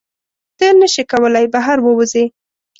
ته نشې کولی بهر ووځې.